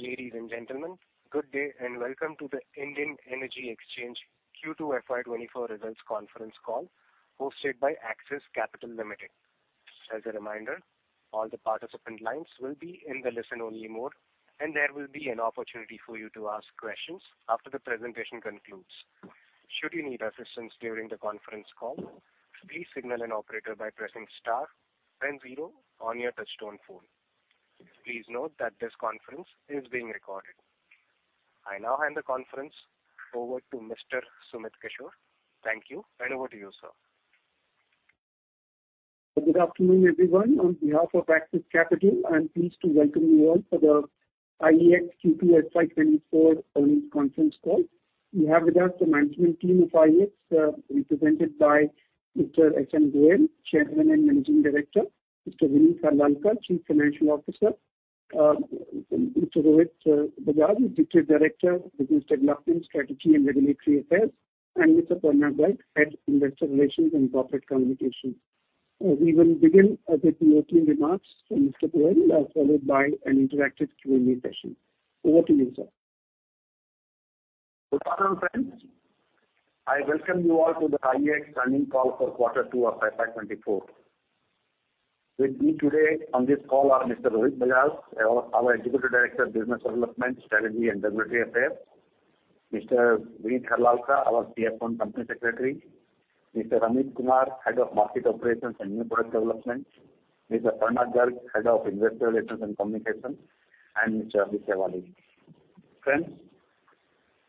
Ladies and gentlemen, good day, and welcome to the Indian Energy Exchange Q2 FY 2024 results conference call, hosted by Axis Capital Limited. As a reminder, all the participant lines will be in the listen-only mode, and there will be an opportunity for you to ask questions after the presentation concludes. Should you need assistance during the conference call, please signal an operator by pressing star then zero on your touchtone phone. Please note that this conference is being recorded. I now hand the conference over to Mr. Sumit Kishore. Thank you, and over to you, sir. Good afternoon, everyone. On behalf of Axis Capital, I'm pleased to welcome you all for the IEX Q2 FY 2024 results conference call. We have with us the management team of IEX, represented by Mr. S.N. Goel, Chairman and Managing Director, Mr. Vineet Harlalka, Chief Financial Officer, Mr. Rohit Bajaj, Executive Director, Business Development, Strategy and Regulatory Affairs, and Mr. Aparna Garg, Head, Investor Relations and Corporate Communications. We will begin with the opening remarks from Mr. Goel, followed by an interactive Q&A session. Over to you, sir. Good afternoon, friends. I welcome you all to the IEX earnings call for quarter two of FY 2024. With me today on this call are Mr. Rohit Bajaj, our Executive Director, Business Development, Strategy and Regulatory Affairs; Mr. Vineet Harlalka, our CFO and Company Secretary; Mr. Amit Kumar, Head of Market Operations and New Product Development; Ms. Aparna Garg, Head of Investor Relations and Communications; and Mr. Abhishek Wali. Friends,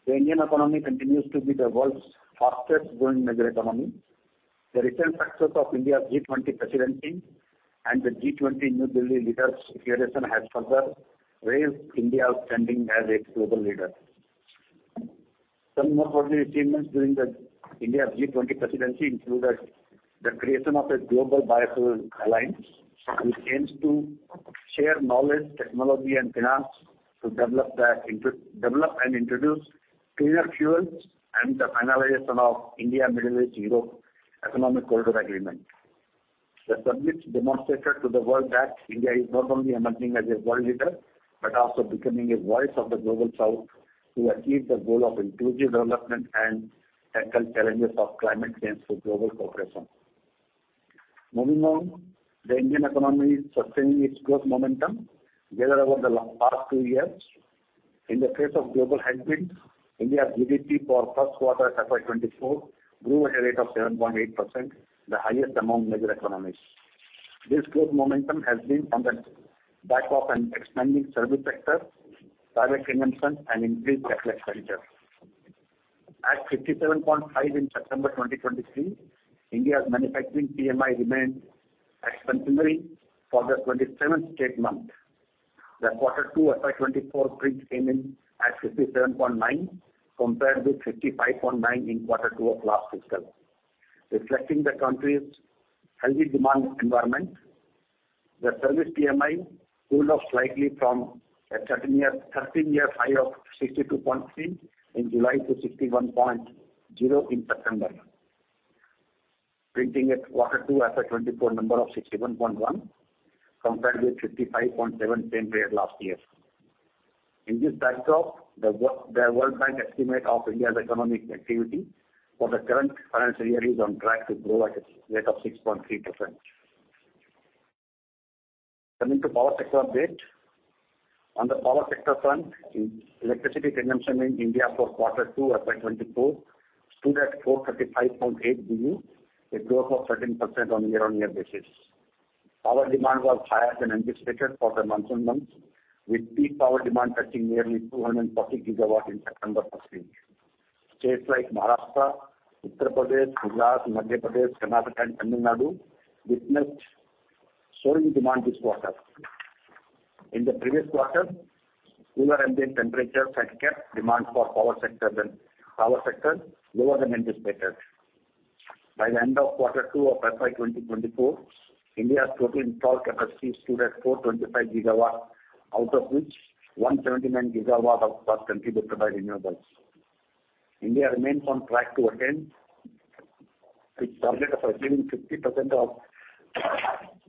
the Indian economy continues to be the world's fastest growing major economy. The recent success of India's G20 presidency and the G20 New Delhi Leaders' Declaration has further raised India's standing as a global leader. Some noteworthy achievements during the India G20 presidency included the creation of a Global Biofuel Alliance, which aims to share knowledge, technology, and finance to develop and introduce cleaner fuels, and the finalization of India-Middle East-Europe Economic Corridor agreement. The summit demonstrated to the world that India is not only emerging as a world leader, but also becoming a voice of the Global South to achieve the goal of inclusive development and tackle challenges of climate change through global cooperation. Moving on, the Indian economy is sustaining its growth momentum gathered over the past two years. In the face of global headwinds, India's GDP for first quarter FY 2024 grew at a rate of 7.8%, the highest among major economies. This growth momentum has been on the back of an expanding service sector, private consumption, and increased capital expenditure. At 57.5% in September 2023, India's manufacturing PMI remained expansionary for the 27th straight month. The quarter two FY 2024 print came in at 57.9%, compared with 55.9% in quarter two of last fiscal. Reflecting the country's healthy demand environment, the service PMI cooled off slightly from a 13-year high of 62.3% in July to 61.0% in September, printing at quarter two FY 2024 number of 61.1%, compared with 55.7% same period last year. In this backdrop, the World Bank estimate of India's economic activity for the current financial year is on track to grow at a rate of 6.3%. Coming to power sector update. On the power sector front, electricity consumption in India for quarter two FY 2024 stood at 435.8 billion, a growth of 13% on year-on-year basis. Power demand was higher than anticipated for the monsoon months, with peak power demand touching nearly 240 GW in September 2023. States like Maharashtra, Uttar Pradesh, Gujarat, Madhya Pradesh, Karnataka, and Tamil Nadu witnessed soaring demand this quarter. In the previous quarter, cooler ambient temperatures had kept demand for power lower than anticipated. By the end of quarter two of FY 2024, India's total installed capacity stood at 425 GW, out of which 179 GW was contributed by renewables. India remains on track to attain its target of achieving 50% of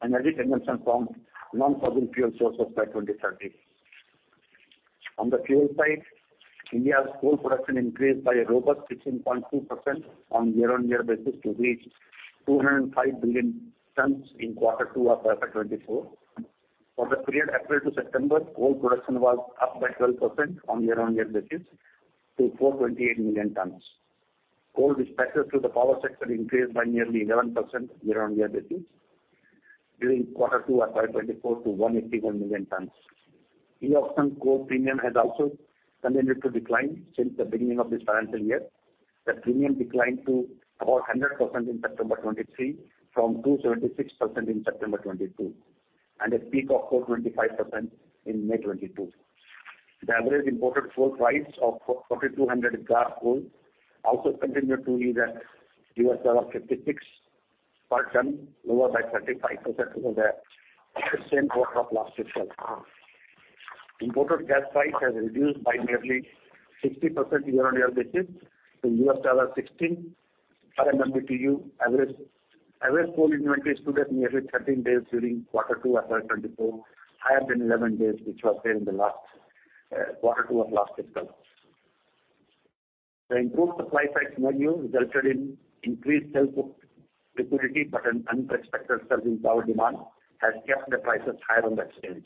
energy generation from non-fossil fuel sources by 2030. On the fuel side, India's coal production increased by a robust 16.2% on year-on-year basis to reach 205 billion tons in quarter two of FY 2024. For the period April to September, coal production was up by 12% on year-on-year basis to 428 million tons. Coal dispatches to the power sector increased by nearly 11% year-on-year basis during quarter two FY 2024 to 181 million tons. E-auction coal premium has also continued to decline since the beginning of this financial year. The premium declined to about 100% in September 2023, from 276% in September 2022, and a peak of 425% in May 2022. The average imported coal price of 4200 gas coal also continued to be $56 per ton, lower by 35% than the same quarter of last fiscal. Imported gas price has reduced by nearly 60% year-on-year basis to $16/MMBtu. Average coal inventory stood at nearly 13 days during quarter two of FY 2024, higher than 11 days, which was there in the last quarter two of last fiscal. The improved supply side scenario resulted in increased sales book liquidity, but an unexpected surge in power demand has kept the prices higher on the exchange.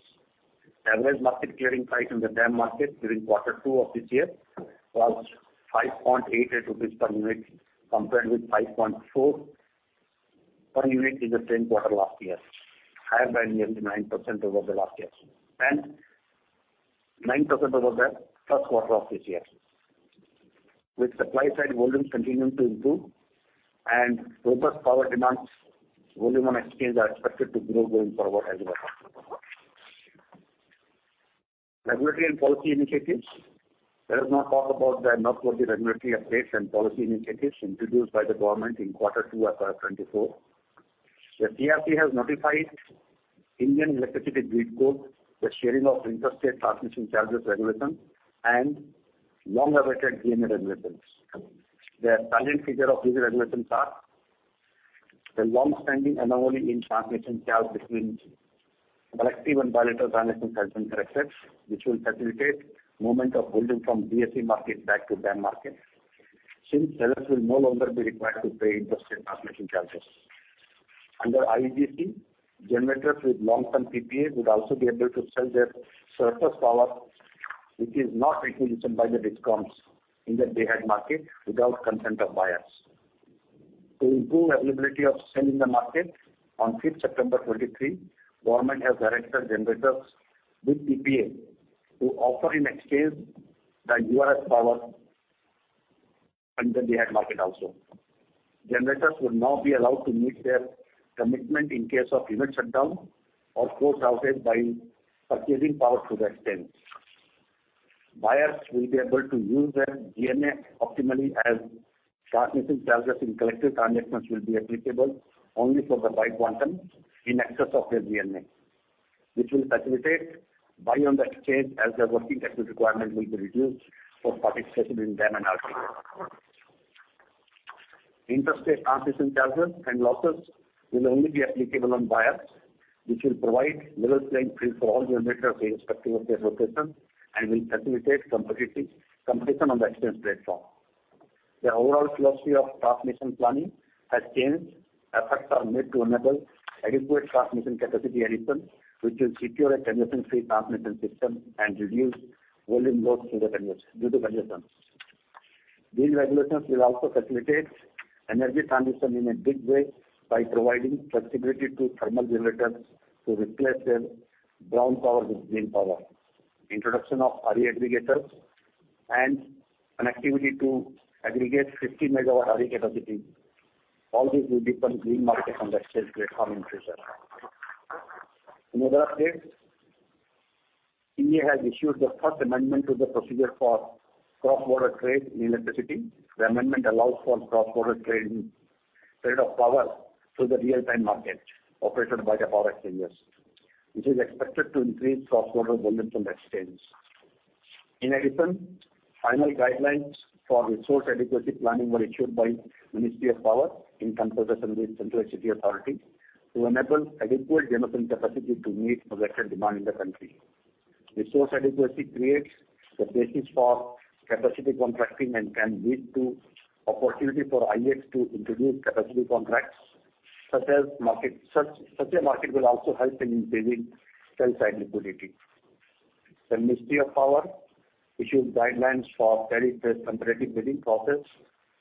The average Market Clearing Price in the DAM market during quarter two of this year was 5.8 rupees per unit, compared with 5.4 per unit in the same quarter last year, higher by nearly 9% over the last year, and 9% over the first quarter of this year. With supply side volumes continuing to improve and robust power demands, volume on exchange are expected to grow going forward as well. Regulatory and policy initiatives. Let us now talk about the noteworthy regulatory updates and policy initiatives introduced by the government in quarter two of 2024. The CERC has notified Indian Electricity Grid Code, the sharing of Interstate Transmission Charges regulation, and long-awaited GNA regulations. The salient feature of these regulations are: the long-standing anomaly in transmission charge between multi and bilateral transmission has been corrected, which will facilitate movement of volume from bilateral market back to DAM market, since sellers will no longer be required to pay interstate transmission charges. Under IEGC, generators with long-term PPA would also be able to sell their surplus power, which is not taken by the DISCOMs in the day-ahead market without consent of buyers. To improve availability of selling the market, on 5th September 2023, government has directed generators with PPA to offer in exchange the URS power under the day-ahead market also. Generators will now be allowed to meet their commitment in case of unit shutdown or force outage by purchasing power through the exchange. Buyers will be able to use their GNA optimally, as transmission charges in collective transactions will be applicable only for the buy quantum in excess of their GNA, which will facilitate buy on the exchange as their working capital requirement will be reduced for participating in DAM and RTM. Interstate transmission charges and losses will only be applicable on buyers, which will provide level playing field for all generators irrespective of their location, and will facilitate competitive competition on the exchange platform. The overall philosophy of transmission planning has changed. Efforts are made to enable adequate transmission capacity addition, which will secure a congestion-free transmission system and reduce volume loss due to congestion. These regulations will also facilitate energy transition in a big way by providing flexibility to thermal generators to replace their brown power with green power. Introduction of RE aggregators, and an activity to aggregate 50 MW RE capacity. All these will deepen green market on the exchange platform in future. In other updates, India has issued the first amendment to the procedure for cross-border trade in electricity. The amendment allows for cross-border trade of power through the Real-Time Market operated by the power exchanges, which is expected to increase cross-border volumes on the exchange. In addition, final guidelines for Resource Adequacy planning were issued by Ministry of Power in consultation with Central Electricity Authority, to enable adequate generating capacity to meet projected demand in the country. Resource Adequacy creates the basis for capacity contracting and can lead to opportunity for IEX to introduce capacity contracts, such as a market. Such a market will also help in building sell-side liquidity. The Ministry of Power issued guidelines for tariff-based competitive bidding process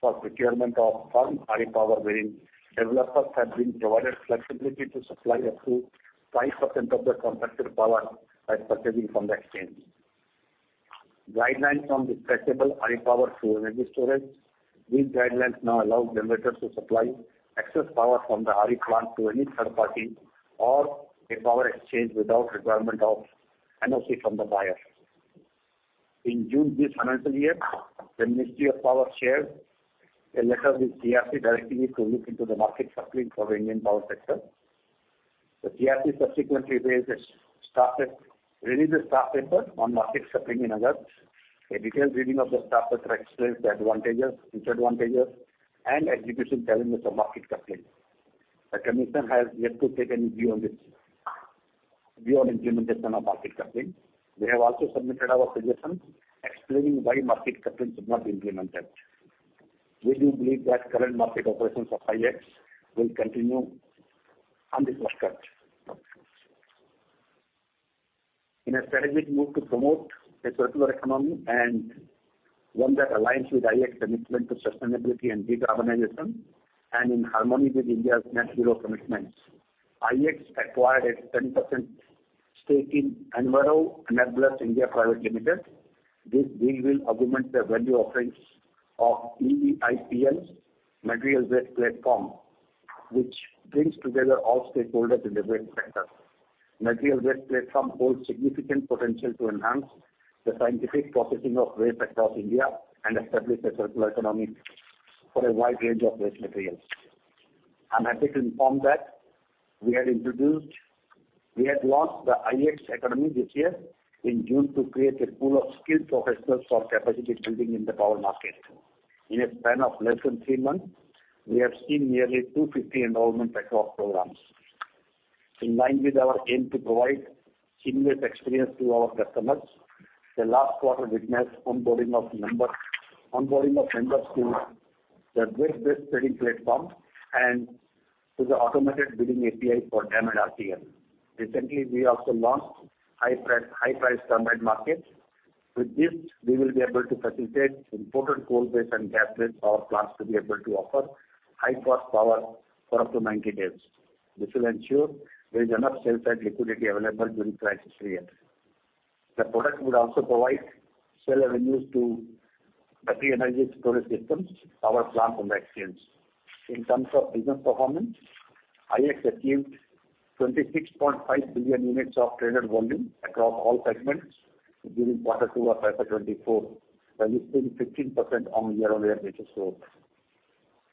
for procurement of firm RE power, wherein developers have been provided flexibility to supply up to 5% of the contracted power by purchasing from the exchange. Guidelines on dispatchable RE power to energy storage. These guidelines now allow generators to supply excess power from the RE plant to any third party or a power exchange without requirement of NOC from the buyer. In June this financial year, the Ministry of Power shared a letter with CERC, directing it to look into the market coupling for the Indian power sector. The CERC subsequently released a staff paper on market coupling in August. A detailed reading of the staff paper explains the advantages, disadvantages, and execution challenges of market coupling. The commission has yet to take any view on this, view on implementation of market coupling. We have also submitted our suggestions explaining why market coupling should not be implemented. We do believe that current market operations of IEX will continue undisturbed. In a strategic move to promote a circular economy and one that aligns with IEX commitment to sustainability and decarbonization, and in harmony with India's net zero commitments, IEX acquired a 10% stake in Enviro Enablers India Private Limited. This deal will augment the value offerings of EIIPL's material waste platform, which brings together all stakeholders in the waste sector. Material waste platform holds significant potential to enhance the scientific processing of waste across India, and establish a circular economy for a wide range of waste materials. I'm happy to inform that we have introduced, we have launched the IEX Academy this year in June to create a pool of skilled professionals for capacity building in the power market. In a span of less than three months, we have seen nearly 250 enrollments across programs. In line with our aim to provide seamless experience to our customers, the last quarter witnessed onboarding of members, onboarding of members to the grid-based trading platform and to the automated bidding API for DAM and RTM. Recently, we also launched High Price Term Ahead Market. With this, we will be able to facilitate important coal-based and gas-based power plants to be able to offer high-cost power for up to 90 days. This will ensure there is enough sales and liquidity available during crisis periods. The product would also provide seller revenues to battery energy storage systems, power plant on the exchange. In terms of business performance, IEX achieved 26.5 billion units of traded volume across all segments during quarter two of FY 2024, registering 15% on year-on-year basis growth.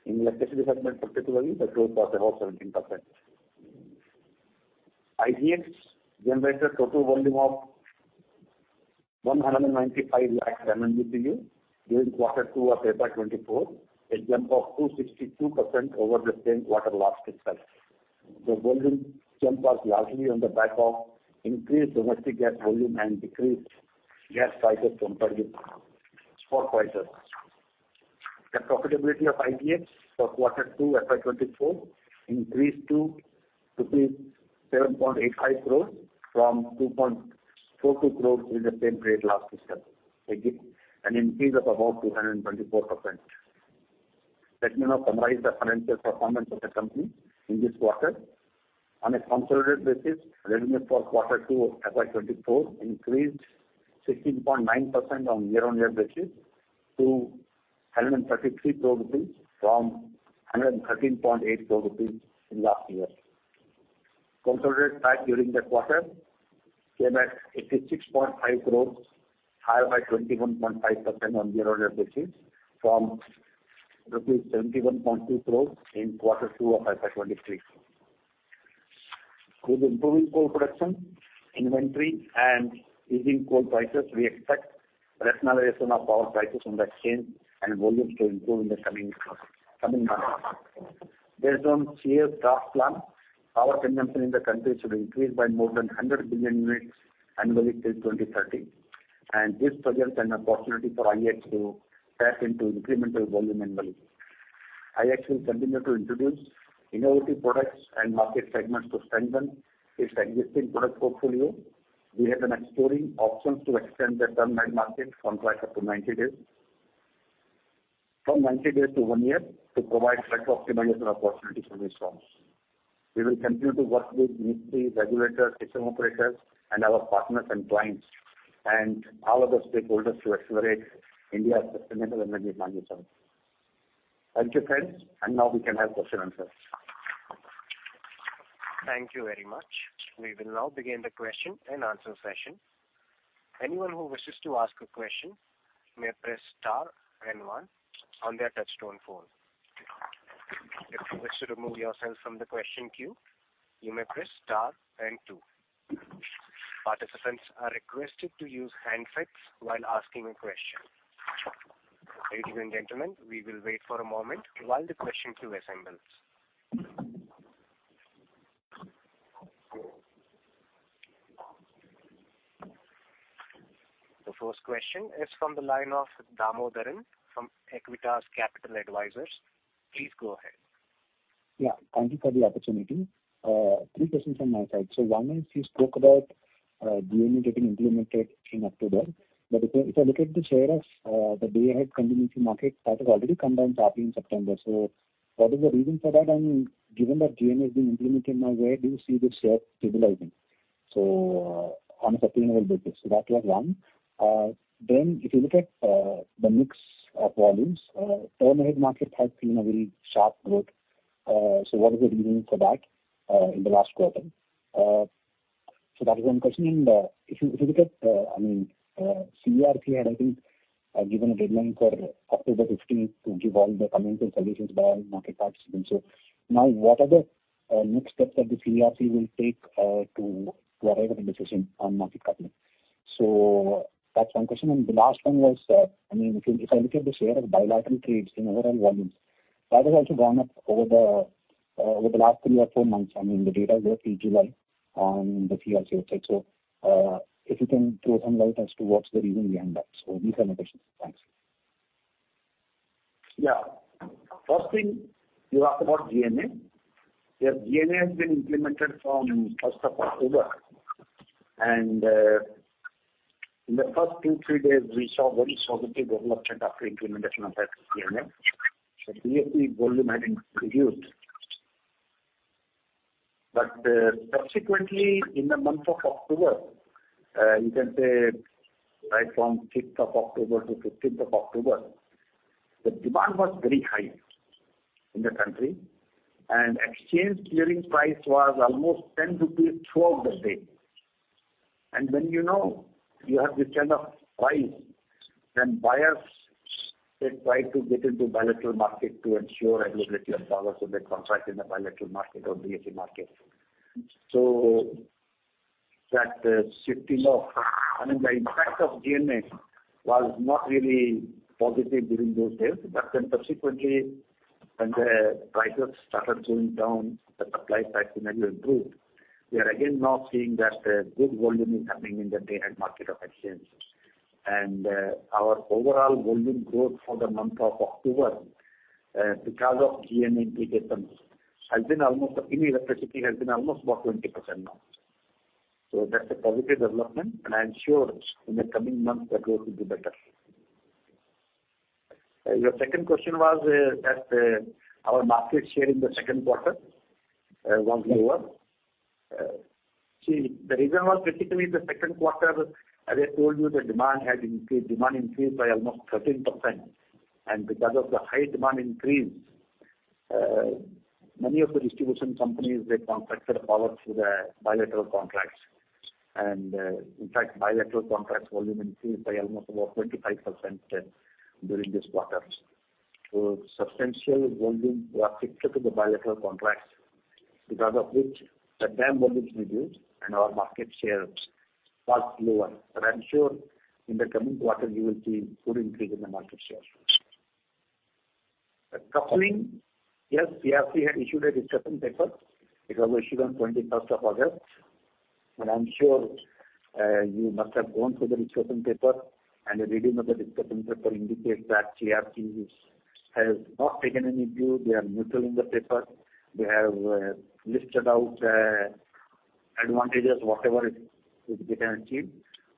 In electricity segment particularly, the growth was about 17%. IGX generated total volume of 195 lakh MMBtu during quarter two of FY 2024, a jump of 262% over the same quarter last fiscal. The volume jump was largely on the back of increased domestic gas volume and decreased gas prices compared with spot prices. The profitability of IGX for quarter two, FY 2024 increased to rupees 7.85 crores from 2.42 crores in the same period last fiscal, making an increase of about 224%. Let me now summarize the financial performance of the company in this quarter. On a consolidated basis, revenue for quarter two of FY 2024 increased 16.9% on year-on-year basis to 133 crore rupees from 113.8 crore rupees in last year. Consolidated PAT during the quarter came at 86.5 crore, higher by 21.5% on year-on-year basis, from rupees 71.2 crore in quarter two of FY 2023. With improving coal production, inventory, and easing coal prices, we expect rationalization of power prices on the exchange and volumes to improve in the coming months. Based on clear draft plan, power consumption in the country should increase by more than 100 billion units annually till 2030, and this presents an opportunity for IEX to tap into incremental volume and value. IEX will continue to introduce innovative products and market segments to strengthen its existing product portfolio. We have been exploring options to extend the term market from price up to 90 days, from 90 days to one year, to provide better optimization opportunities for these firms. We will continue to work with ministry, regulators, system operators, and our partners and clients, and all other stakeholders to accelerate India's sustainable energy management. Thank you, friends, and now we can have question and answers. Thank you very much. We will now begin the question and answer session. Anyone who wishes to ask a question may press star and one on their touch-tone phone. If you wish to remove yourself from the question queue, you may press star and two. Participants are requested to use handsets while asking a question. Ladies and gentlemen, we will wait for a moment while the question queue assembles. The first question is from the line of Damodaran, from Acuitas Capital Advisors. Please go ahead. Yeah, thank you for the opportunity. Three questions on my side. So one is, you spoke about GNA getting implemented in October, but if I look at the share of the Day-Ahead Contingency Market, that has already come down sharply in September. So what is the reason for that? And given that GNA is being implemented now, where do you see the share stabilizing? So on a sustainable basis. So that was one. Then if you look at the mix of volumes, Term-Ahead Market has seen a very sharp growth. So what is the reason for that in the last quarter? So that is one question. If you look at, I mean, CERC had, I think, given a deadline for October fifteenth to give all the comments and solutions by all market participants. So now, what are the next steps that the CERC will take to arrive at a decision on Market Coupling? So that's one question. And the last one was, I mean, if I look at the share of bilateral trades in overall volumes, that has also gone up over the last three or four months. I mean, the data is there till July on the CERC website. So, if you can throw some light as to what's the reason behind that. So these are my questions. Thanks. Yeah. First thing, you asked about GNA. Yeah, GNA has been implemented from first of October, and, in the first two, three days, we saw very positive development after implementation of that GNA. So clearly, volume had increased. But, subsequently, in the month of October, you can say right from sixth of October to fifteenth of October, the demand was very high in the country, and exchange clearing price was almost 10 rupees throughout the day. And when you know you have the chance of price, then buyers, they try to get into bilateral market to ensure availability of power, so they contract in the bilateral market or BH market. So that, shifting of, I mean, the impact of GNA was not really positive during those days, but then subsequently, when the prices started going down, the supply side image improved. We are again now seeing that a good volume is coming in the day-ahead market of exchanges. Our overall volume growth for the month of October, because of GNA implications, has been almost—in electricity, has been almost about 20% now. So that's a positive development, and I'm sure in the coming months, that growth will be better. Your second question was that our market share in the second quarter was lower. See, the reason was particularly the second quarter, as I told you, the demand had increased. Demand increased by almost 13%, and because of the high demand increase, many of the distribution companies, they contracted power through the bilateral contracts. And, in fact, bilateral contracts volume increased by almost about 25% during this quarter. So substantial volume were fixed to the bilateral contracts, because of which the DAM volumes reduced and our market share was lower. But I'm sure in the coming quarter, you will see good increase in the market share. The coupling, yes, CERC had issued a discussion paper. It was issued on 21st of August, and I'm sure, you must have gone through the discussion paper, and the reading of the discussion paper indicates that CERC has not taken any view. They are neutral in the paper. They have listed out advantages, whatever it can achieve.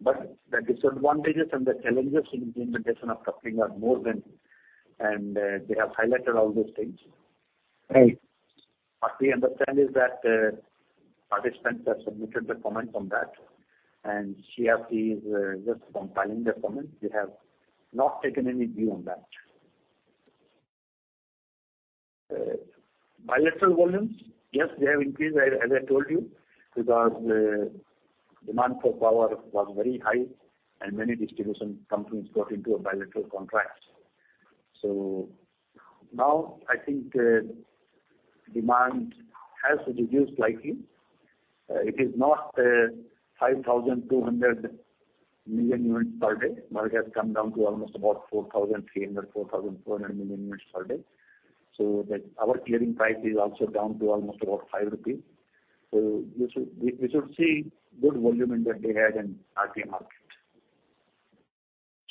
But the disadvantages and the challenges in the implementation of coupling are more than, and they have highlighted all those things. What we understand is that participants have submitted their comment on that, and CERC is just compiling their comments. They have not taken any view on that. Bilateral volumes, yes, they have increased, as, as I told you, because the demand for power was very high and many distribution companies got into a bilateral contract. So now, I think, demand has reduced slightly. It is not 5,200 million units per day, but it has come down to almost about 4,300, 4,400 million units per day. So, our clearing price is also down to almost about 5 rupees. So you should, we, we should see good volume in the Day-Ahead in RTM market.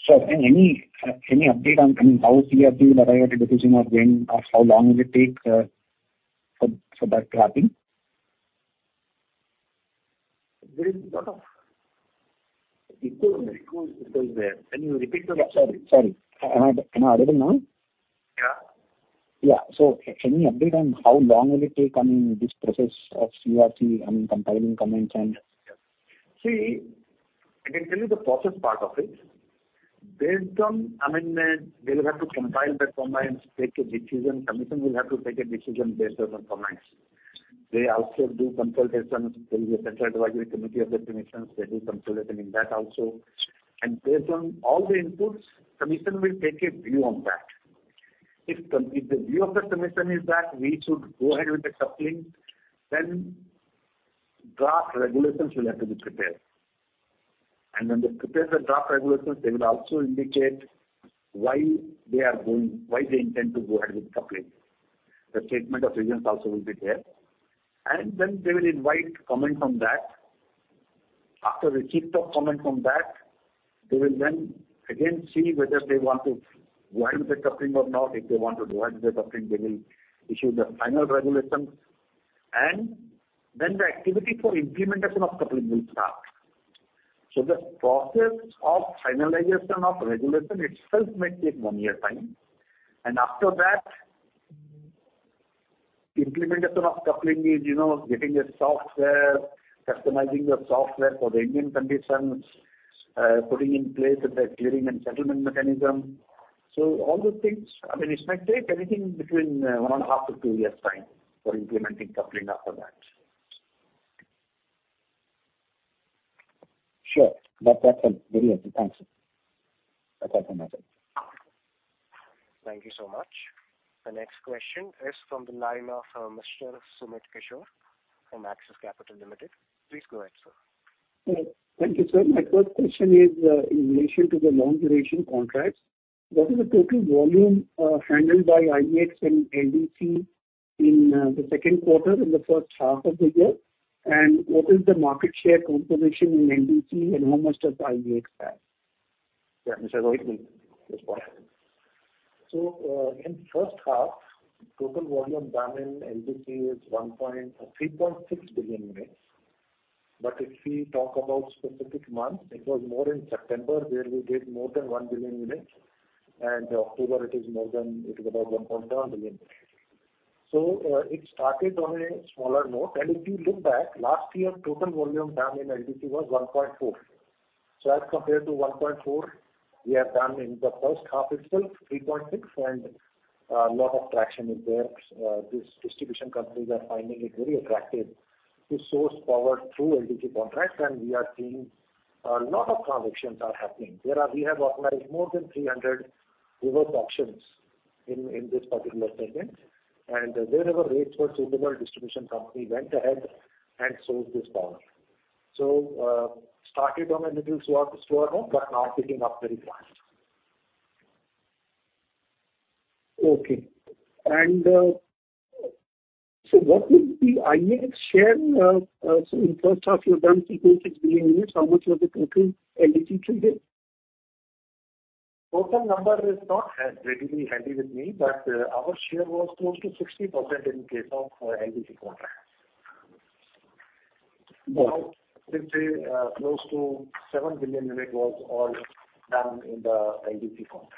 Any update on, I mean, how CERC will arrive at a decision of when or how long will it take for that coupling? It goes there. Can you repeat the question? Yeah, sorry, sorry. Am I, am I audible now? Yeah. Yeah. So any update on how long will it take? I mean, this process of CERC, I mean, compiling comments and- See, I can tell you the process part of it. Based on, I mean, they'll have to compile the comments, take a decision. Commission will have to take a decision based on the comments. They also do consultations. There is a central advisory committee of the commission. They do consultation in that also. And based on all the inputs, commission will take a view on that. If the, if the view of the commission is that we should go ahead with the coupling, then draft regulations will have to be prepared. And when they prepare the draft regulations, they will also indicate why they are going, why they intend to go ahead with coupling. The statement of reasons also will be there, and then they will invite comment on that. After receipt of comment on that, they will then again see whether they want to go ahead with the coupling or not. If they want to go ahead with the coupling, they will issue the final regulations, and then the activity for implementation of coupling will start. So the process of finalization of regulation itself may take 1 year time, and after that, implementation of coupling is, you know, getting a software, customizing the software for the Indian conditions, putting in place the clearing and settlement mechanism. So all those things, I mean, it might take anything between 1.5-2 years' time for implementing coupling after that. Sure. That, that's a very helpful answer. That's helpful method. Thank you so much. The next question is from the line of Mr. Sumit Kishore from Axis Capital Limited. Please go ahead, sir. Thank you, sir. My first question is, in relation to the long duration contracts. What is the total volume handled by IEX and LDC in the second quarter in the first half of the year? And what is the market share composition in LDCs and how much does IEX have? Yeah, Mr. Rohit will respond. So, in first half, total volume done in LDC is 3.6 billion units. But if we talk about specific months, it was more in September, where we did more than 1 billion units, and October, it is more than, it is about 1.9 billion. So, it started on a smaller note, and if you look back, last year, total volume done in LDC was 1.4. So as compared to 1.4, we have done in the first half itself, 3.6, and, lot of traction is there. This distribution companies are finding it very attractive to source power through LDC contracts, and we are seeing a lot of transactions are happening. We have organized more than 300 reverse auctions in this particular segment, and wherever rates were suitable, distribution company went ahead and sold this power. So, started on a little slow, slower, but now picking up very fast. Okay. So what would be IEX share of, in first half, you have done 3.6 billion units, how much was the total REC traded? Total number is not as readily handy with me, but our share was close to 60% in case of LDC contracts. Yeah. Let's say, close to 7 billion unit was all done in the LDC contracts.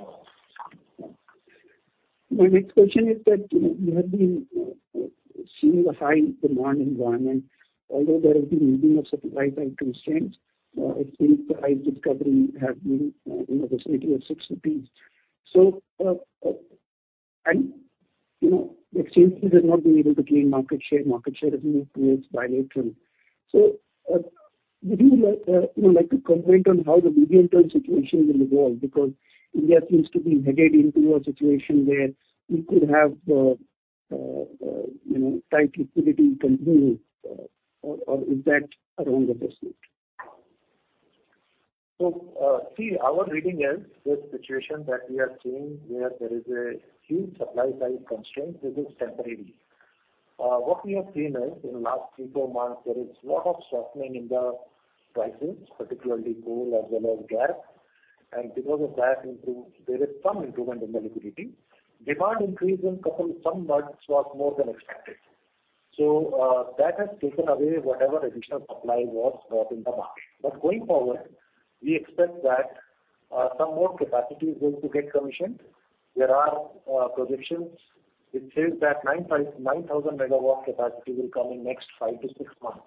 Oh. My next question is that you have been seeing a high demand environment, although there has been easing of supply side constraints, I think price discovery have been, you know, the rate of 6 rupees. So, and, you know, exchanges have not been able to gain market share. Market share has been towards bilateral. So, would you like, you know, like to comment on how the medium-term situation will evolve? Because India seems to be headed into a situation where we could have, you know, tight liquidity continue, or, or is that around the pursuit? So, see, our reading is this situation that we are seeing, where there is a huge supply side constraint, this is temporary. What we have seen is, in the last three to four months, there is lot of softening in the prices, particularly coal as well as gas. And because of gas improve, there is some improvement in the liquidity. Demand increase in couple some months was more than expected. So, that has taken away whatever additional supply was brought in the market. But going forward, we expect that, some more capacity is going to get commissioned. There are projections, which says that 9,000 MW capacity will come in next five to six months.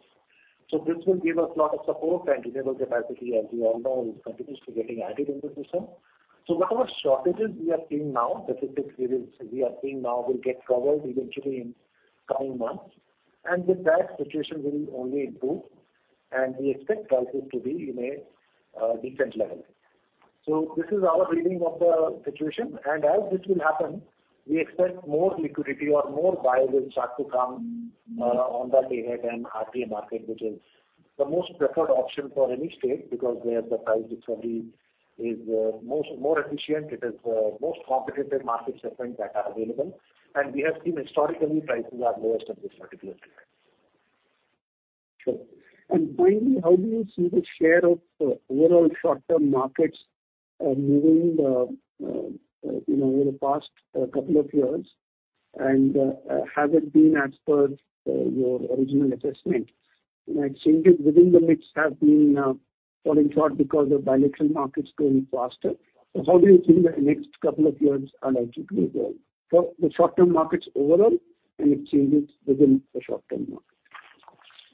So this will give us lot of support, and renewable capacity, as you all know, continues to getting added in the system. So whatever shortages we are seeing now, specific periods we are seeing now, will get covered eventually in coming months. And with that, situation will only improve, and we expect prices to be in a decent level. So this is our reading of the situation, and as this will happen, we expect more liquidity or more buyers will start to come on the Day-Ahead and RTM market, which is the most preferred option for any state, because there the price discovery is most, more efficient. It is most competitive market segments that are available. And we have seen historically, prices are lowest at this particular segment. Sure. Finally, how do you see the share of overall short-term markets moving, you know, in the past couple of years? Has it been as per your original assessment? And exchanges within the mix have been falling short because of bilateral markets growing faster. So how do you think the next couple of years are likely to go for the short-term markets overall, and exchanges within the short-term market?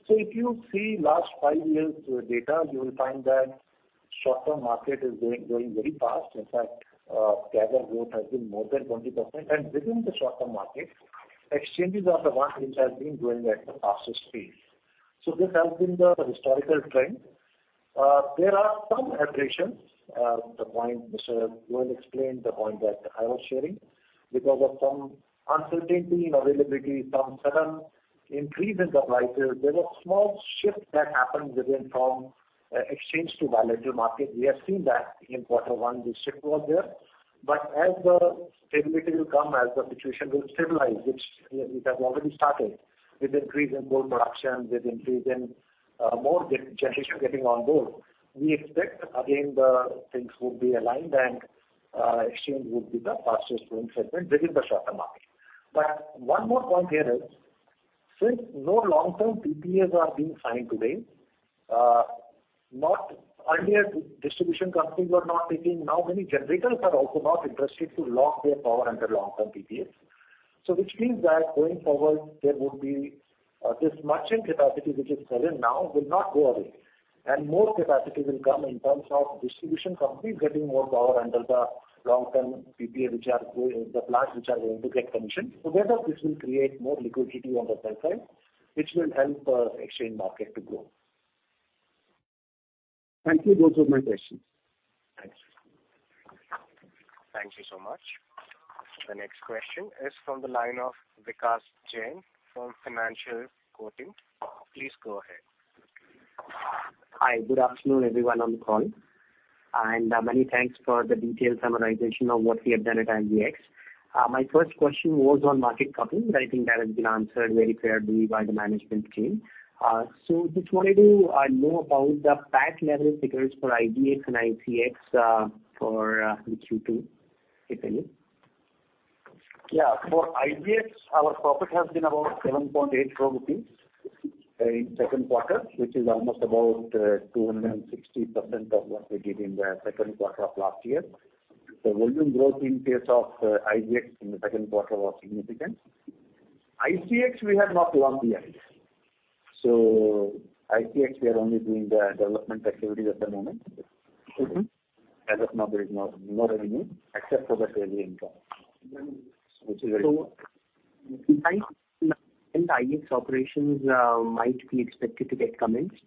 So if you see last five years' data, you will find that short-term market is growing, growing very fast. In fact, CAGR growth has been more than 20%. And within the short-term market, exchanges are the one which has been growing at the fastest pace. So this has been the historical trend. There are some aberrations. The point Mr. Goel explained, the point that I was sharing. Because of some uncertainty in availability, some sudden increase in the prices, there was small shift that happened within from exchange to bilateral market. We have seen that in quarter one, this shift was there. But as the stability will come, as the situation will stabilize, which, it has already started, with increase in coal production, with increase in, more generation getting on board, we expect again the things would be aligned and, exchange would be the fastest growing segment within the short-term market. But one more point here is, since no long-term PPAs are being signed today, not earlier distribution companies were not taking, now many generators are also not interested to lock their power under long-term PPAs. So which means that going forward, there would be, this merchant capacity which is present now, will not go away. And more capacity will come in terms of distribution companies getting more power under the long-term PPA, which are going, the plants which are going to get commissioned. So therefore, this will create more liquidity on the buy side, which will help exchange market to grow. Thank you. Those were my questions. Thanks. Thank you so much. The next question is from the line of Vikas Jain from Financial Quotient. Please go ahead. Hi, good afternoon, everyone on the call, and, many thanks for the detailed summarization of what we have done at IEX. My first question was on market coupling, but I think that has been answered very clearly by the management team. So just wanted to know about the tax leverage figures for IEX and PXIL, for the Q2, if any. Yeah. For IGX, our profit has been about 7.8 crore rupees in the second quarter, which is almost about 260% of what we did in the second quarter of last year. The volume growth in case of IGX in the second quarter was significant. ICX, we have not launched yet. So ICX, we are only doing the development activities at the moment. Mm-hmm. As of now, there is no revenue except for the revenue income, which is very- When IEX operations might be expected to get commenced?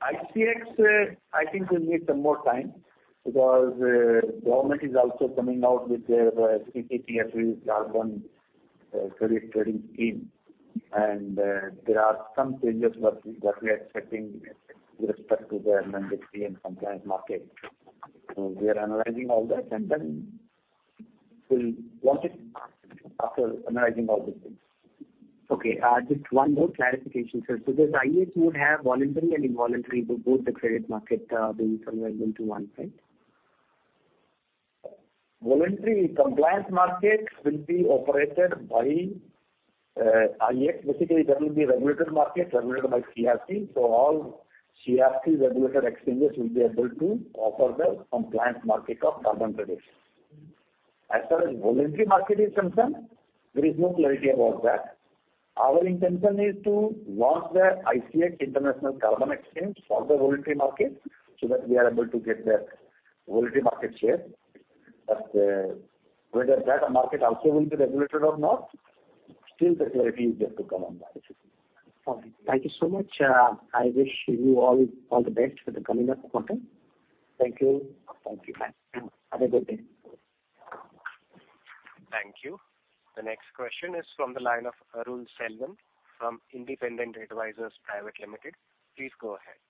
ICX, I think, will need some more time, because government is also coming out with their CCTS carbon credit trading scheme. And there are some changes that we are expecting with respect to the mandate and compliance market. So we are analyzing all that, and then we'll launch it after analyzing all these things. Okay. Just one more clarification, sir. So this IEX would have voluntary and involuntary, both the credit market, being combined into one, right? Voluntary compliance market will be operated by, IEX. Basically, there will be regulated market regulated by CRC. So all CRC regulated exchanges will be able to offer the compliance market of carbon credits. As far as voluntary market is concerned, there is no clarity about that. Our intention is to launch the ICX International Carbon Exchange for the voluntary market so that we are able to get the voluntary market share. But, whether that market also will be regulated or not, still the clarity is yet to come on that. Okay. Thank you so much. I wish you all, all the best for the coming up quarter. Thank you. Thank you, bye. Have a good day. Thank you. The next question is from the line of Arun Selvan from Independent Advisors Private Limited. Please go ahead.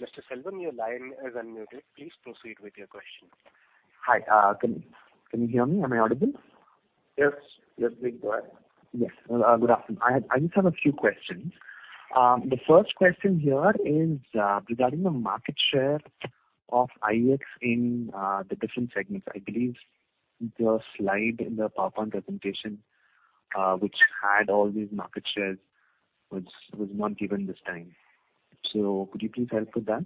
Mr. Selvam, your line is unmuted. Please proceed with your question. Hi, can you hear me? Am I audible? Yes. Yes, please go ahead. Yes. Good afternoon. I just have a few questions. The first question here is regarding the market share of IEX in the different segments. I believe the slide in the PowerPoint presentation, which had all these market shares was not given this time. Could you please help with that?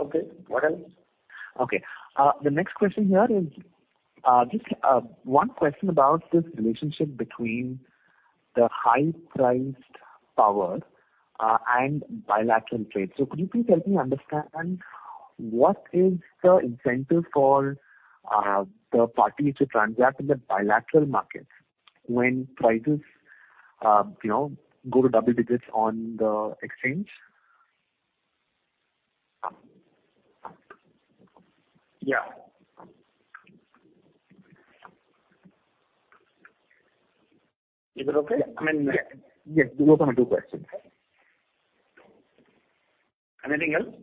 Okay, what else? Okay. The next question here is just one question about this relationship between the high-priced power and bilateral trade. So could you please help me understand what is the incentive for the parties to transact in the bilateral market when prices, you know, go to double digits on the exchange? Yeah. Is it okay? I mean- Yes, those are my two questions. Anything else?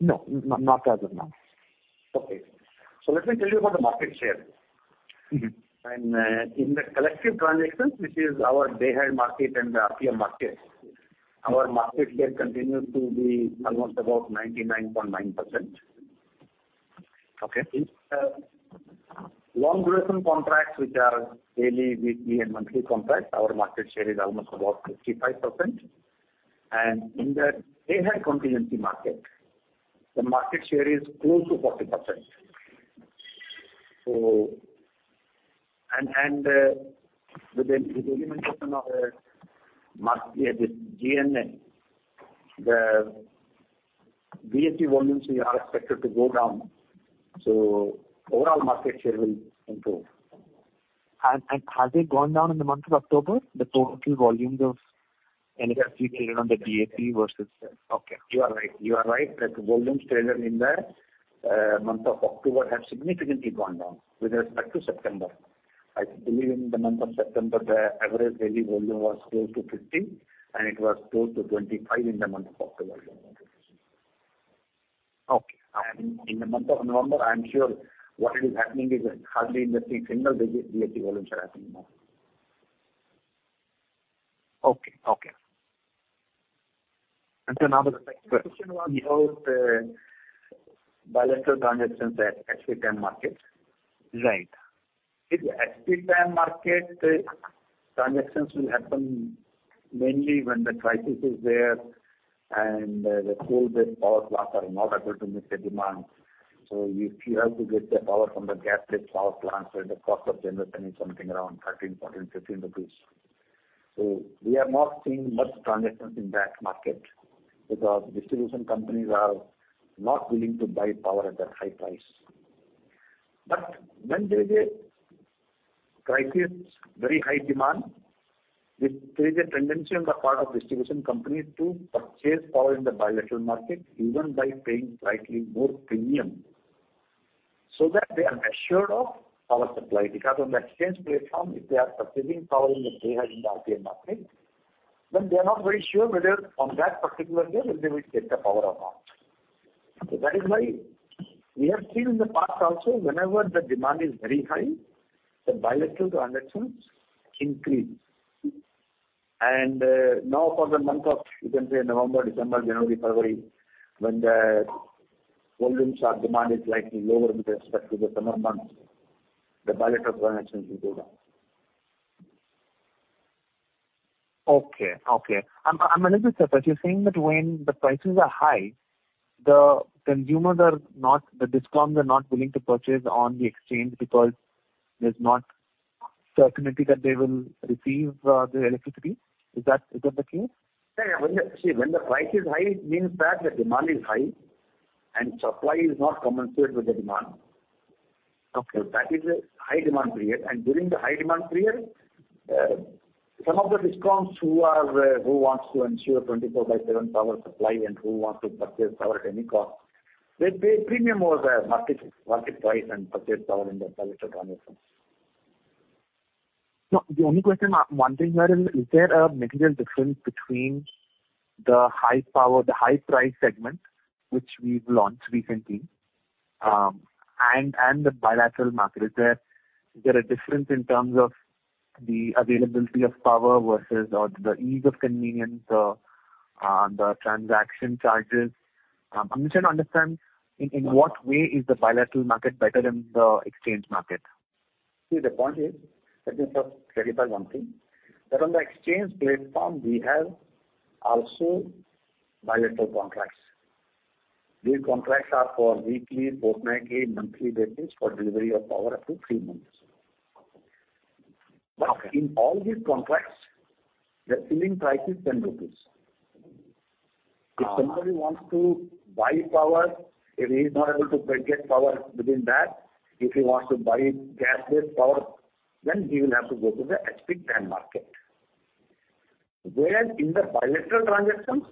No, not as of now. Okay. So let me tell you about the market share. Mm-hmm. In the Collective Transactions, which is our Day-Ahead Market and the RTM market, our market share continues to be almost about 99.9%. Okay. In long duration contracts, which are daily, weekly, and monthly contracts, our market share is almost about 55%. And in the day-ahead contingency market, the market share is close to 40%. So with the, with the implementation of the GNA, the DAC volumes are expected to go down, so overall market share will improve. Has it gone down in the month of October, the total volumes of energy traded on the DAM versus- Okay, you are right. You are right, that volumes traded in the month of October have significantly gone down with respect to September. I believe in the month of September, the average daily volume was close to 15, and it was close to 25 in the month of October. Okay. In the month of November, I'm sure what is happening is hardly anything, single digit DAM volumes are happening now. Okay, okay. And so now the second question was about bilateral transactions at SP10 markets. Right. In HP-DAM market, transactions will happen mainly when the crisis is there, and the coal-based power plants are not able to meet the demand. So you have to get the power from the gas-based power plants, where the cost of generation is something around 13-15 rupees. So we have not seen much transactions in that market, because distribution companies are not willing to buy power at that high price. But when there is a crisis, very high demand, there is a tendency on the part of distribution companies to purchase power in the bilateral market, even by paying slightly more premium, so that they are assured of power supply. Because on the exchange platform, if they are purchasing power in the day-ahead, in the RTM market, then they are not very sure whether on that particular day, whether they will get the power or not. So that is why we have seen in the past also, whenever the demand is very high, the bilateral transactions increase. And, now for the month of, you can say November, December, January, February, when the volumes or demand is likely lower with respect to the summer months, the bilateral transactions will go down. ... Okay, okay. I'm, I'm a little bit separate. You're saying that when the prices are high, the consumers are not—the DISCOMs are not willing to purchase on the exchange because there's not certainty that they will receive the electricity. Is that, is that the case? Yeah, yeah. See, when the price is high, it means that the demand is high and supply is not commensurate with the demand. Okay. That is a high demand period, and during the high demand period, some of the discoms who are, who wants to ensure 24/7 power supply and who wants to purchase power at any cost, they pay premium over the market, market price and purchase power in the bilateral transactions. No, the only question I'm wondering, sir, is, is there a material difference between the high power, the high price segment, which we've launched recently, and, and the bilateral market? Is there, is there a difference in terms of the availability of power versus or the ease of convenience, on the transaction charges? I'm trying to understand, in, in what way is the bilateral market better than the exchange market? See, the point is, let me first clarify one thing, that on the exchange platform, we have also bilateral contracts. These contracts are for weekly, fortnightly, monthly basis for delivery of power up to three months. Okay. But in all these contracts, the ceiling price is 10 rupees. Uh- If somebody wants to buy power, if he is not able to get power within that, if he wants to buy gas-based power, then he will have to go to the HP-DAM market. Whereas in the bilateral transactions,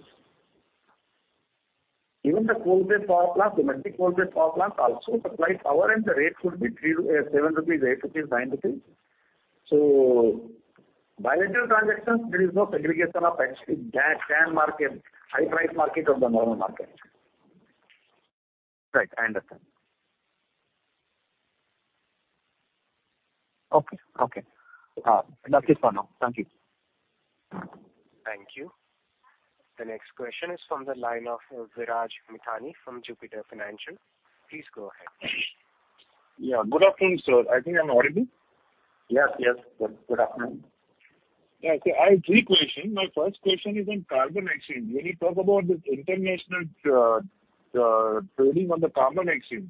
even the coal-based power plant, the multi coal-based power plant, also supply power and the rate would be 3 INR, 7 rupees, 8 rupees, 9 rupees. So bilateral transactions, there is no segregation of HP gas DAM market, high price market or the normal market. Right, I understand. Okay, okay. That's it for now. Thank you. Thank you. The next question is from the line of Viraj Mithani from Jupiter Financial. Please go ahead. Yeah, good afternoon, sir. I think I'm audible? Yes, yes. Good, good afternoon. Yeah, so I have three question. My first question is on carbon exchange. When you talk about this international trading on the carbon exchange,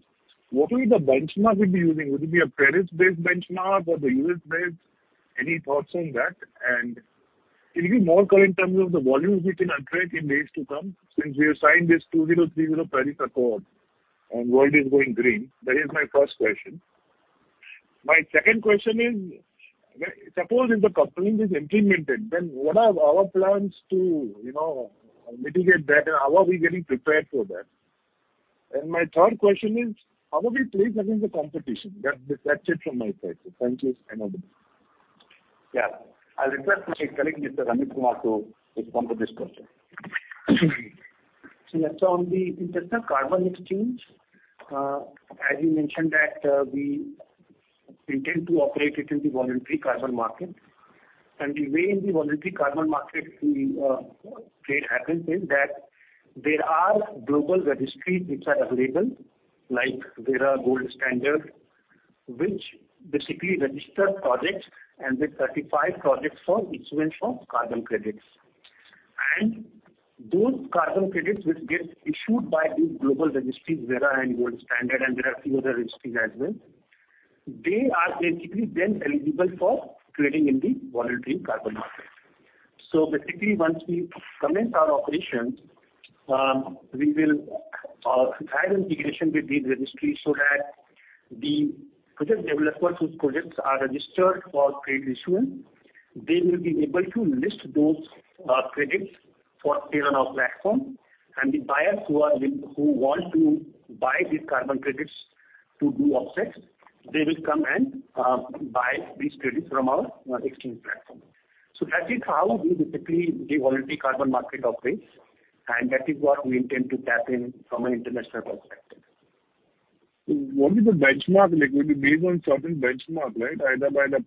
what will be the benchmark we'll be using? Will it be a Paris-based benchmark or the U.S.-based? Any thoughts on that? And can you be more clear in terms of the volumes we can attract in days to come, since we have signed this 2030 Paris Accord, and world is going green? That is my first question. My second question is, suppose if the coupling is implemented, then what are our plans to, you know, mitigate that? How are we getting prepared for that? And my third question is: How are we placed against the competition? That's, that's it from my side. So thank you and over to you. Yeah. I'll request my colleague, Mr. Amit Kumar, to respond to this question. So on the International Carbon Exchange, as you mentioned that, we intend to operate it in the voluntary carbon market. And the way in the voluntary carbon market, the trade happens is that there are global registries which are available, like Verra, Gold Standard, which basically register projects and they certify projects for issuance of carbon credits. And those carbon credits which get issued by these global registries, Verra and Gold Standard, and there are few other registries as well, they are basically then eligible for trading in the voluntary carbon market. So basically, once we commence our operation, we will have integration with these registries so that the project developers whose projects are registered for credit issuance, they will be able to list those credits for sale on our platform. The buyers who want to buy these carbon credits to do offsets, they will come and buy these credits from our exchange platform. That is how we basically, the voluntary carbon market operates, and that is what we intend to tap in from an international perspective. What is the benchmark like? It will be based on certain benchmark, right? Either by the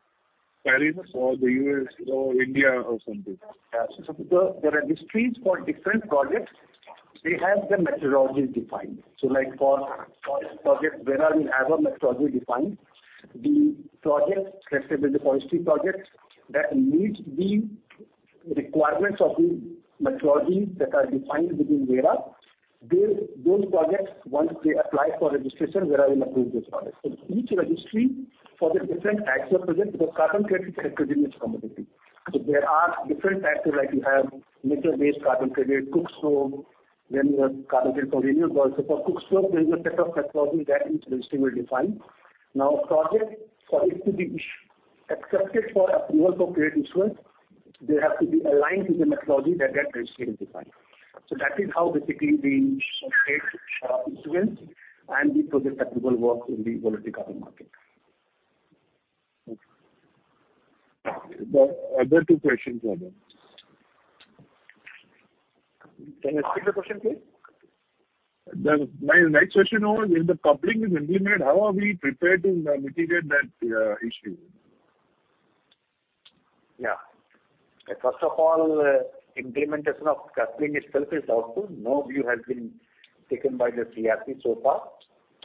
Paris or the US or India or something. Yeah. So the registries for different projects, they have the methodologies defined. So like for project, where we have a methodology defined, the projects, let's say build a forestry project, that meets the requirements of the methodologies that are defined within Verra, they, those projects, once they apply for registration, Verra will approve those projects. So each registry for the different types of projects, because carbon credit has been a commodity. So there are different types of... Like you have nature-based carbon credit, cookstove, then you have carbon credit for renewable. So for cookstove, there is a set of methodology that each registry will define. Now, a project, for it to be accepted for approval for credit issuance, they have to be aligned with the methodology that that registry has defined. That is how basically the trade, issuance and the project that will work in the voluntary carbon market. Okay. The other two questions are there. Can you repeat the question, please? Then, my next question was, if the coupling is implemented, how are we prepared to mitigate that issue? Yeah. First of all, implementation of coupling itself is doubtful. No view has been taken by the CERC so far,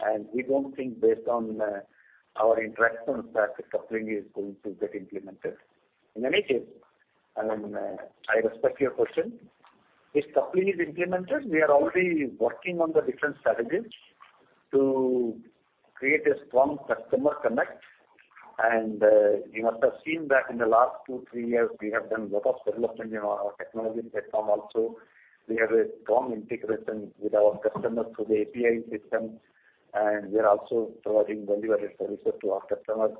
and we don't think based on our interactions that the coupling is going to get implemented. In any case, I mean, I respect your question. If coupling is implemented, we are already working on the different strategies to create a strong customer connect. And you must have seen that in the last two to three years, we have done a lot of development in our technology platform also. We have a strong integration with our customers through the API system, and we are also providing value-added services to our customers.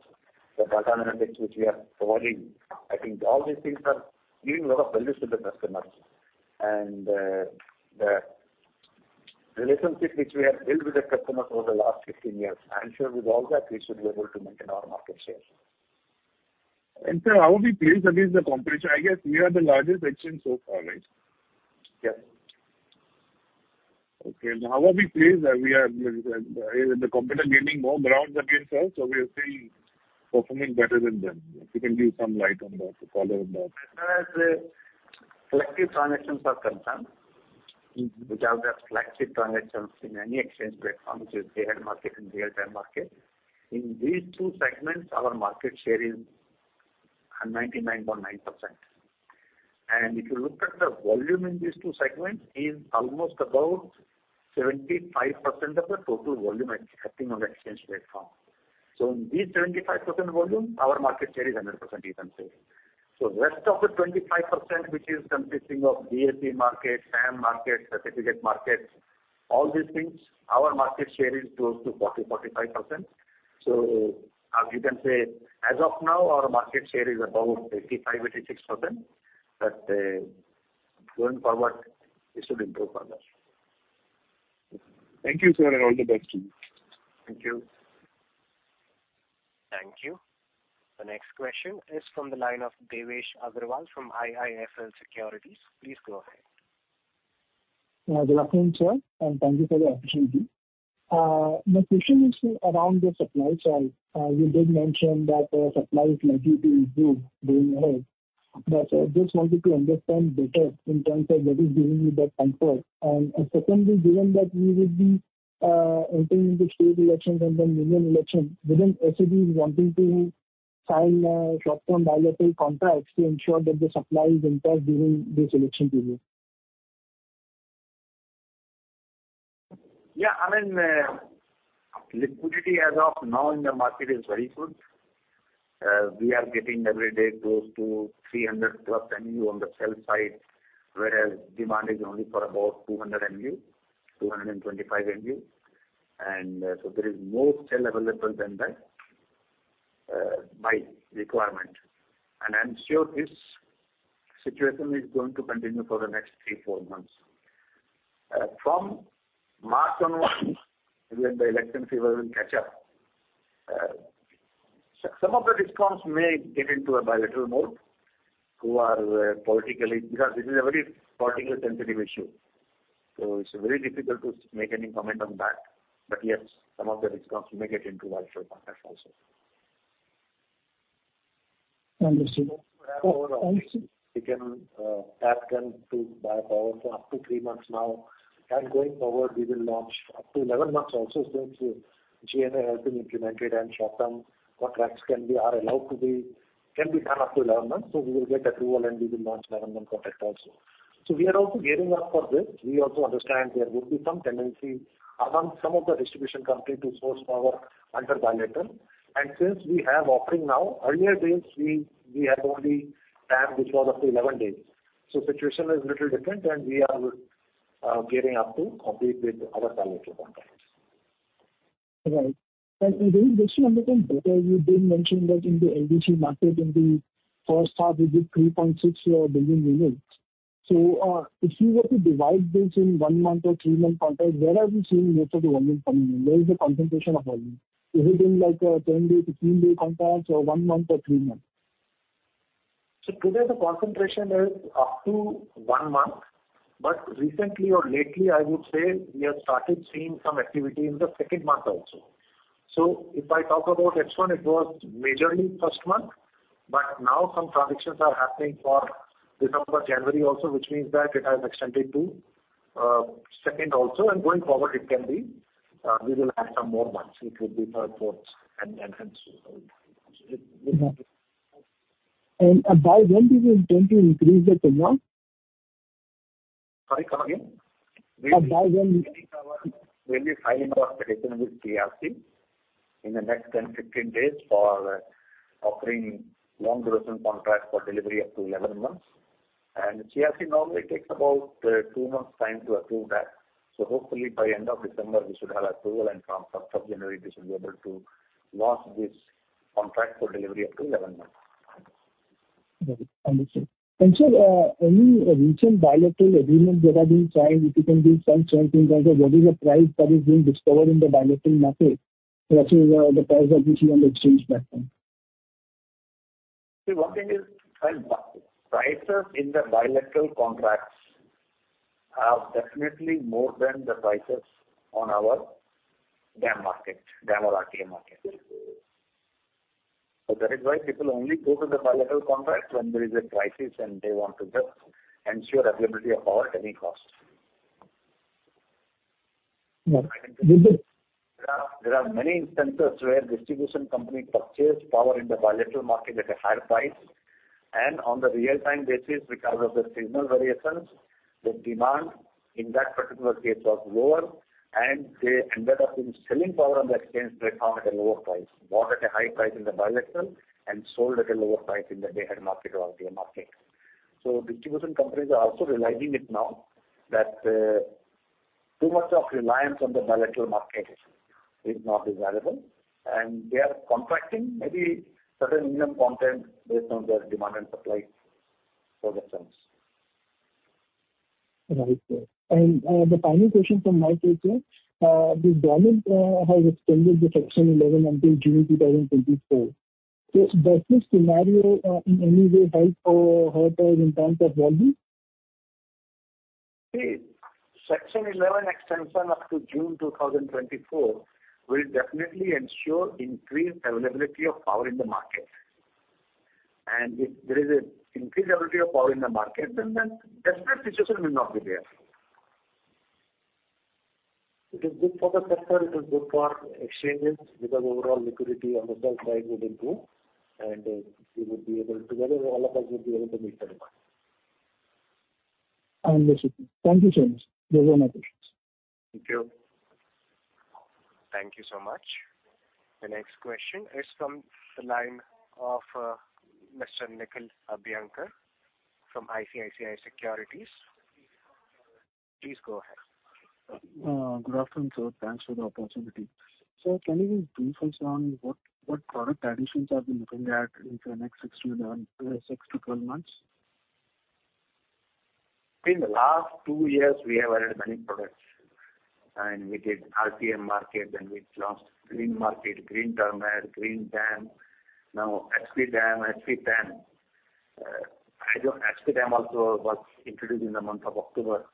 The data analytics which we are providing, I think all these things are giving a lot of value to the customers. The relationship which we have built with the customers over the last 15 years, I am sure with all that, we should be able to maintain our market share. Sir, how are we placed against the competition? I guess we are the largest exchange so far, right? Yes. Okay. How are we placed? Are we are the competitor gaining more grounds against us, or we are still performing better than them? If you can give some light on that to follow on that. As far as collective transactions are concerned, which are the collective transactions in any exchange platform, which is Day-Ahead Market and Real-Time Market. In these two segments, our market share is 199.9%. And if you look at the volume in these two segments, is almost about 75% of the total volume happening on the exchange platform. So in these 75% volume, our market share is 100%, you can say. So rest of the 25%, which is consisting of DAP market, TAM market, certificate market, all these things, our market share is close to 40%-45%. So as you can say, as of now, our market share is about 85%-86%, but going forward, it should improve on that. Thank you, sir, and all the best to you. Thank you. Thank you. The next question is from the line of Devesh Agarwal from IIFL Securities. Please go ahead. Good afternoon, sir, and thank you for the opportunity. My question is around the supply side. You did mention that the supply is likely to improve going ahead, but I just wanted to understand better in terms of what is giving you that comfort. And secondly, given that we will be entering into state elections and then union elections, wouldn't SEB be wanting to sign short-term bilateral contracts to ensure that the supply is intact during this election period? Yeah, I mean, liquidity as of now in the market is very good. We are getting every day close to 300+ MU on the sell side, whereas demand is only for about 200 MU, 225 MU. And so there is more sell available than the buy requirement. And I'm sure this situation is going to continue for the next three to four months. From March onwards, when the election fever will catch up, some of the discoms may get into a bilateral mode, who are politically-- because this is a very politically sensitive issue, so it's very difficult to make any comment on that. But yes, some of the discoms may get into virtual contracts also. Understood. We can ask them to buy power for up to three months now, and going forward, we will launch up to 11 months also, since GNA has been implemented and short-term contracts can be done up to 11 months. So we will get approval, and we will launch 11-month contract also. So we are also gearing up for this. We also understand there would be some tendency among some of the distribution company to source power under bilateral. And since we have offering now, earlier days, we had only TAM, which was up to 11 days. So situation is a little different, and we are gearing up to compete with other bilateral contracts. Right. And just to understand better, you did mention that in the ABC market, in the first half, you did 3.6 billion units. So, if you were to divide this in one month or three-month contract, where are we seeing most of the volume coming in? Where is the concentration of volume? Is it in, like, a 10-day-15-day contracts or one month or three months? So today, the concentration is up to one month, but recently or lately, I would say, we have started seeing some activity in the second month also. So if I talk about H1, it was majorly first month, but now some transactions are happening for December, January also, which means that it has extended to second also, and going forward, it can be we will add some more months. It will be third, fourth, and, and, and so on. By when do you intend to increase the tenure? Sorry, come again. By when- We'll be filing our petition with CERC in the next 10-15 days for offering long-duration contract for delivery up to 11 months. And CERC normally takes about two months time to approve that. So hopefully, by end of December, we should have approval, and from first of January, we should be able to launch this contract for delivery up to 11 months. Got it. Understood. And sir, any recent bilateral agreements that are being signed, if you can give some insight in terms of what is the price that is being discovered in the bilateral market versus the price that we see on the exchange platform? See, one thing is, prices in the bilateral contracts are definitely more than the prices on our DAM market, DAM or RTM market. So that is why people only go to the bilateral contract when there is a crisis, and they want to just ensure availability of power at any cost. No, There are many instances where distribution companies purchase power in the bilateral market at a higher price. On the real-time basis, because of the signal variations, the demand in that particular case was lower, and they ended up selling power on the exchange platform at a lower price. Bought at a high price in the bilateral and sold at a lower price in the day-ahead market or the market. So distribution companies are also realizing it now, that too much of reliance on the bilateral market is not desirable, and they are contracting maybe certain minimum content based on their demand and supply for the firms. Right. And, the final question from my side, sir. The government has extended the Section 11 until June 2024. So does this scenario in any way help or hurt us in terms of volume? See, Section 11 extension up to June 2024, will definitely ensure increased availability of power in the market. If there is an increased availability of power in the market, then the desperate situation will not be there. It is good for the sector, it is good for exchanges, because overall liquidity on the sell side will improve, and we would be able to, whether all of us will be able to meet the demand. I understand. Thank you so much. Those are my questions. Thank you. Thank you so much. The next question is from the line of, Mr. Nikhil Abhyankar from ICICI Securities. Please go ahead. Good afternoon, sir. Thanks for the opportunity. Sir, can you please focus on what product additions are we looking at in the next 6-12 months? In the last two years, we have added many products, and we did RTM market, and we launched Green Market, Green Term-Ahead Market, Green DAM, now HP DAM, HP TAM. I don't... HP DAM also was introduced in the month of October.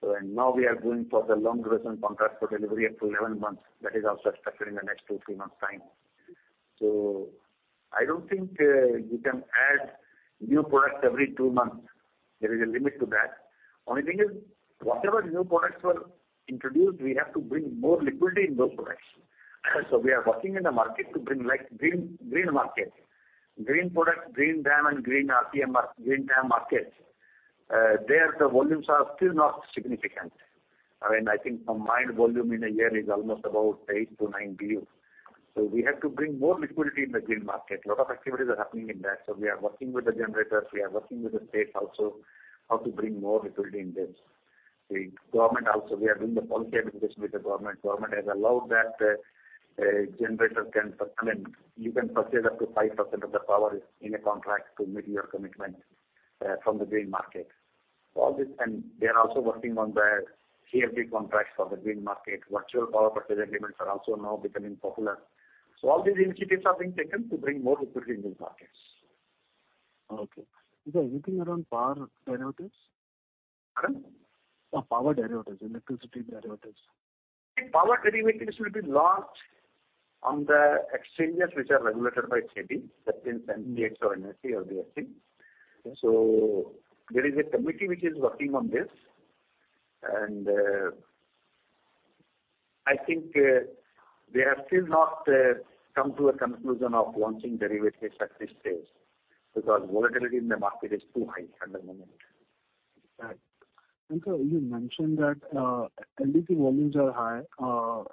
So and now we are going for the long duration contract for delivery up to 11 months. That is also expected in the next two to three months' time. So I don't think you can add new products every two months. There is a limit to that. Only thing is, whatever new products were introduced, we have to bring more liquidity in those products. So we are working in the market to bring like Green, Green Market, Green product, Green DAM, and Green RTM, Green DAM market. There, the volumes are still not significant. I mean, I think combined volume in a year is almost about 8 billion-9 billion. So we have to bring more liquidity in the Green Market. A lot of activities are happening in that. So we are working with the generators, we are working with the state also, how to bring more liquidity in this. The government also, we are doing the policy advocacy with the government. Government has allowed that, generator can purchase, I mean, you can purchase up to 5% of the power in a contract to meet your commitment, from the Green Market. All this, and they are also working on the CFD contracts for the Green Market. Virtual power purchase agreements are also now becoming popular. So all these initiatives are being taken to bring more liquidity in these markets. Okay. Is there anything around power derivatives? Pardon? Power derivatives, electricity derivatives. Power derivatives will be launched on the exchanges which are regulated by SEBI, that LDCs or NSE or the MCX. There is a committee which is working on this. I think they have still not come to a conclusion of launching derivatives at this stage, because volatility in the market is too high at the moment. Right. And sir, you mentioned that, LDC volumes are high,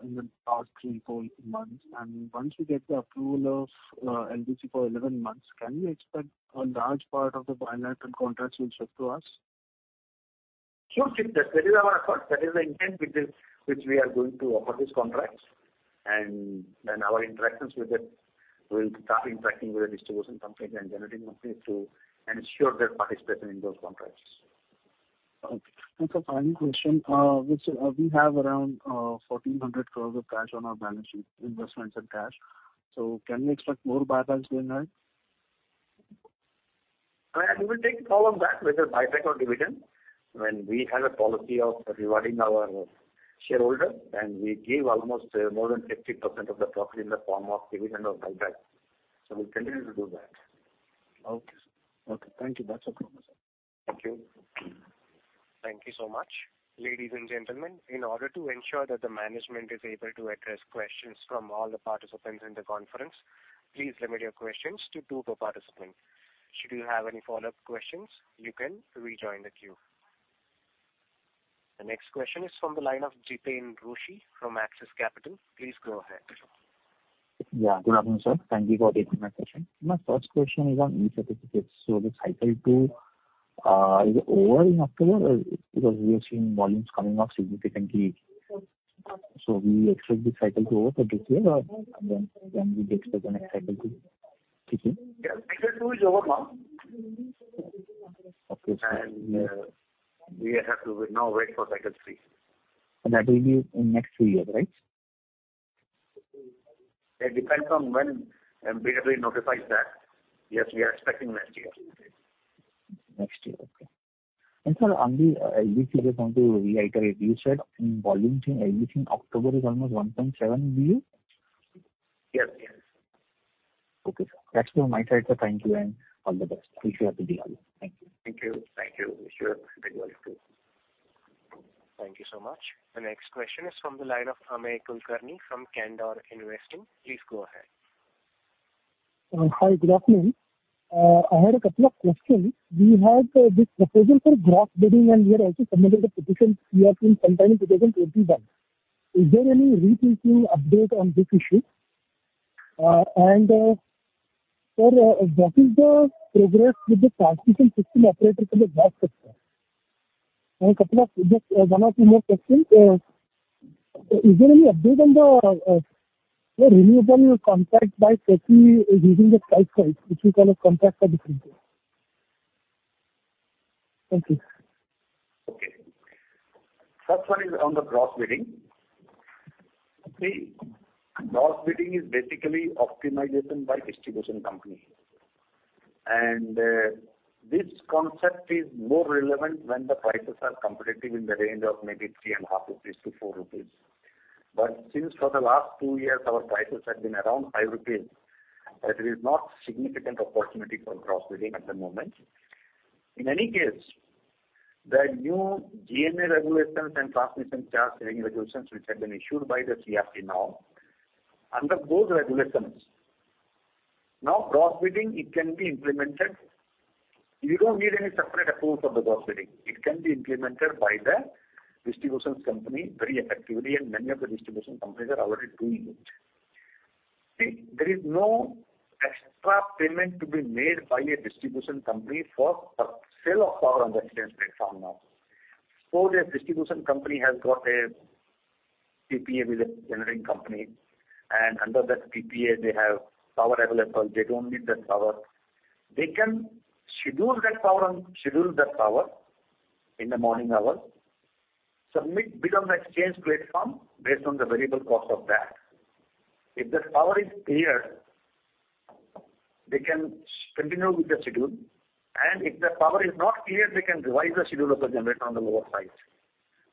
in the last three to four months. And once you get the approval of, LDC for 11 months, can we expect a large part of the bilateral contracts will shift to us? Sure, shift. That is our effort. That is the intent with which we are going to offer these contracts. And then our interactions with the... We'll start interacting with the distribution companies and generating companies to ensure they're participating in those contracts. Okay. And sir, final question. We, we have around 1,400 crore of cash on our balance sheet, investments and cash. So can we expect more buybacks than that? We will take call on that, whether buyback or dividend. When we have a policy of rewarding our shareholder, and we give almost more than 50% of the profit in the form of dividend or buyback. So we'll continue to do that. Okay, sir. Okay, thank you. That's all. Thank you. Thank you so much. Ladies and gentlemen, in order to ensure that the management is able to address questions from all the participants in the conference, please limit your questions to two per participant. Should you have any follow-up questions, you can rejoin the queue. The next question is from the line of Jiten Rushi from Axis Capital. Please go ahead. Yeah, good afternoon, sir. Thank you for taking my question. My first question is on e-certificates. So the Cycle 2, is it over in October? Because we are seeing volumes coming up significantly. So we expect the cycle to over for this year, or when, when we get to the next Cycle 2? Yes, Cycle 2 is over now. Okay. We have to now wait for Cycle 3. That will be in next three years, right? It depends on when MoP notifies that. Yes, we are expecting next year. ...Next year, okay. And sir, on the LDC, just want to reiterate, you said in volume in LDC in October is almost 1.7 billion? Yes, yes. Okay, sir. That's all my side, sir. Thank you, and all the best. Wish you have a good day. Thank you. Thank you. Thank you. Wish you a very well, too. Thank you so much. The next question is from the line of Amey Kulkarni from Candor Investing. Please go ahead. Hi, good afternoon. I had a couple of questions. We had this proposal for block bidding, and we are also familiar with the position we have been sometime in 2021. Is there any recent update on this issue? And, sir, what is the progress with the transmission system operator for the gas system? And a couple of just one or two more questions. Is there any update on the renewal contract by CERC using the price rise, which we call a contract for difference? Thank you. Okay. First one is on the Gross Bidding. See, Gross Bidding is basically optimization by distribution company. And this concept is more relevant when the prices are competitive in the range of maybe 3.5-4 rupees. But since for the last two years, our prices have been around 5 rupees, there is not significant opportunity for Gross Bidding at the moment. In any case, the new GNA regulations and transmission charge regulations, which have been issued by the CERC now, under those regulations, now, Gross Bidding, it can be implemented. You don't need any separate approval for the Gross Bidding. It can be implemented by the distribution company very effectively, and many of the distribution companies are already doing it. See, there is no extra payment to be made by a distribution company for sale of power on the exchange platform now. Suppose a distribution company has got a PPA with a generating company, and under that PPA, they have power available, they don't need that power. They can schedule that power in the morning hours, submit bid on the exchange platform based on the variable cost of that. If that power is cleared, they can continue with the schedule, and if that power is not cleared, they can revise the schedule of the generator on the lower side.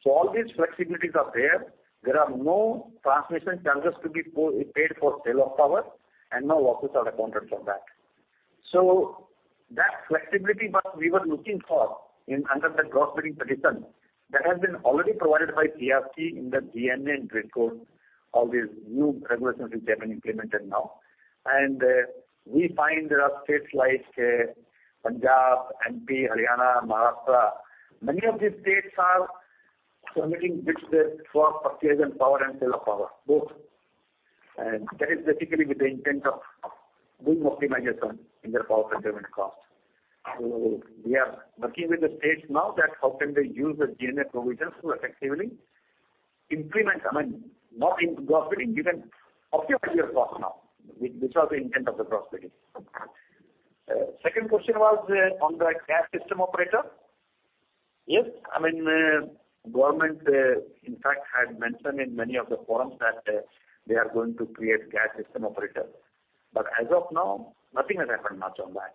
So all these flexibilities are there. There are no transmission charges to be paid for sale of power, and no losses are accounted for that. So that flexibility that we were looking for in, under the gross bidding condition, that has been already provided by CERC in the GNA and grid code, all these new regulations which have been implemented now. We find there are states like, Punjab, MP, Haryana, Maharashtra. Many of these states are permitting this for purchase and power and sale of power, both. And that is basically with the intent of, of doing optimization in their power procurement cost. So we are working with the states now that how can they use the GNA provisions to effectively implement, I mean, not in Gross Bidding, given optimize your cost now. This was the intent of the Gross Bidding. Second question was, on the Gas System Operator? Yes, I mean, government, in fact, had mentioned in many of the forums that, they are going to create Gas System Operator. But as of now, nothing has happened much on that.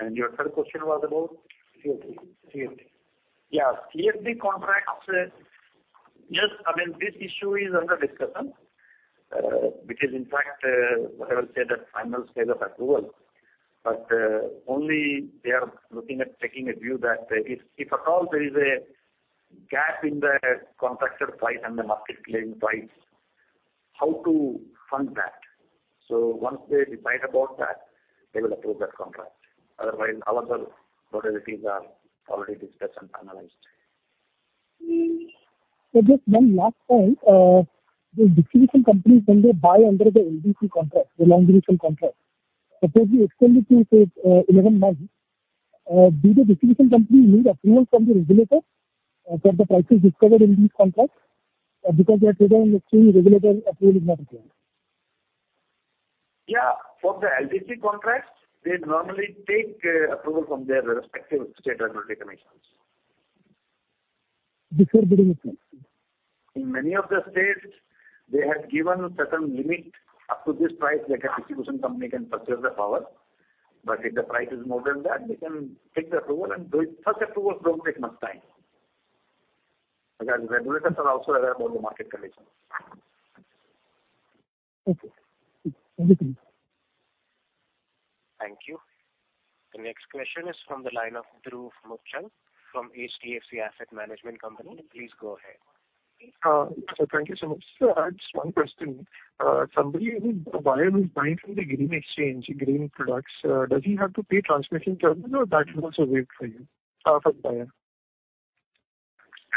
And your third question was about? CFD. Yeah, CFD contracts, yes, I mean, this issue is under discussion, which is in fact what I will say, the final stage of approval. But only they are looking at taking a view that if, if at all there is a gap in the contracted price and the market claimed price, how to fund that. So once they decide about that, they will approve that contract. Otherwise, all other modalities are already discussed and analyzed. So just one last point. The distribution companies, when they buy under the LDC contract, the long duration contract, suppose we extend it to, say, 11 months, do the distribution companies need approval from the regulator for the prices discovered in this contract? Because they are saying exchange regulator approval is not required. Yeah, for the LDC contracts, they normally take approval from their respective state regulatory commissions. Before bidding it? In many of the states, they have given certain limit, up to this price, the distribution company can purchase the power. But if the price is more than that, they can take the approval, and such approvals don't take much time. Because regulators are also aware about the market conditions. Okay. Thank you. Thank you. The next question is from the line of Dhruv Muchhal from HDFC Asset Management Company. Please go ahead. Sir, thank you so much. Sir, I just one question. Somebody who... the buyer who's buying from the green exchange, green products, does he have to pay transmission charges or that is also waived for you, for the buyer?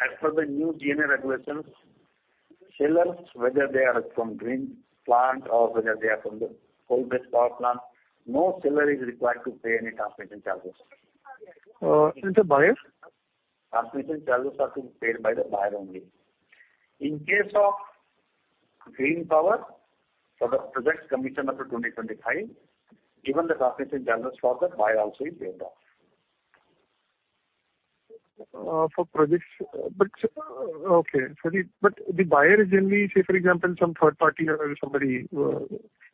As per the new GNA regulations, sellers, whether they are from green plant or whether they are from the coal-based power plant, no seller is required to pay any transmission charges. And the buyer? Transmission charges are to be paid by the buyer only. In case of green power, for the projects commissioned after 2025, even the transmission charges for the buyer also is waived off. ... for projects, but okay. So the, but the buyer is generally, say, for example, some third party or somebody,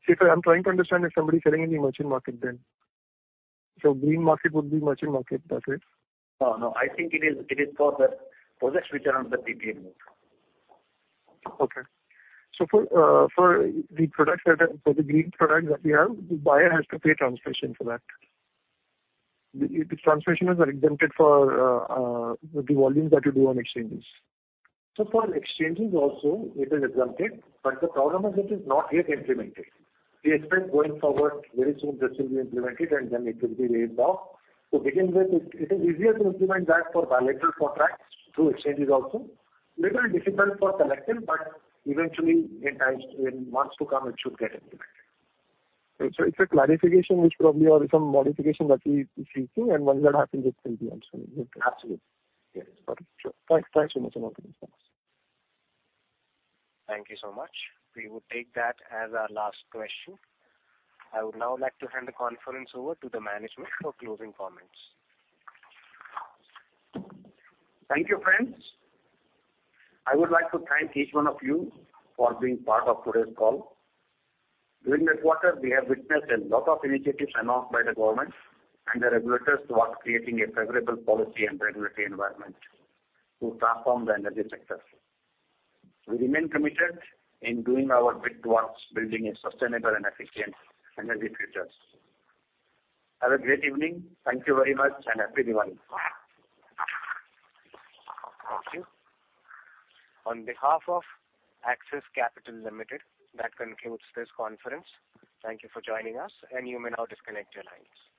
say, I'm trying to understand if somebody is selling in the merchant market then. So green market would be merchant market, that's it? No, no, I think it is, it is for the projects which are under the PPA mode. Okay. So for the green products that we have, the buyer has to pay transmission for that. The transmission is exempted for the volumes that you do on exchanges. So for exchanges also, it is exempted, but the problem is it is not yet implemented. We expect going forward, very soon, this will be implemented, and then it will be waived off. To begin with, it is easier to implement that for bilateral contracts through exchanges also. Little difficult for collective, but eventually, in time, in months to come, it should get implemented. So it's a clarification which probably or some modification that we are seeking, and once that happens, it will be answered. Absolutely. Yes, got it. Sure. Thanks. Thanks so much and all the best. Thank you so much. We would take that as our last question. I would now like to hand the conference over to the management for closing comments. Thank you, friends. I would like to thank each one of you for being part of today's call. During this quarter, we have witnessed a lot of initiatives announced by the government and the regulators towards creating a favorable policy and regulatory environment to transform the energy sector. We remain committed in doing our bit towards building a sustainable and efficient energy future. Have a great evening. Thank you very much and happy Diwali! Thank you. On behalf of Axis Capital Limited, that concludes this conference. Thank you for joining us, and you may now disconnect your lines.